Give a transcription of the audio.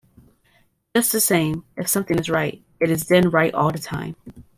Just the same, if something is right, it is then right all the time.